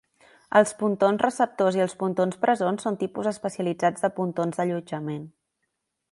Els pontons receptors i els pontons presons són tipus especialitzats de pontons d'allotjament.